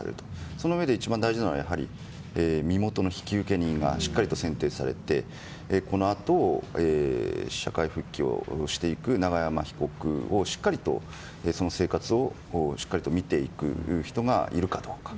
そのうえで一番大事なのはやはり身元の引受人がしっかりと選定されてこのあと社会復帰をしていく永山被告をしっかりとその生活を見ていく人がいるかどうか。